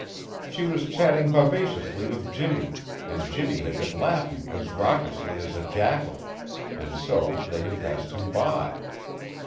She was chatting vivaciously with Jimmy and Jimmy had been laughing as raucously as a jackal and so they had passed him by.